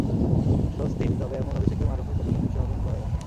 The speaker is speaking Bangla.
স্বস্তির, তবে এমন অভিষেকে মারুফুল কতটা খুশি হতে হবেন, বলা যাচ্ছে না।